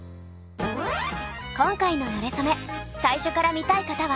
今回の「なれそめ」最初から見たい方は。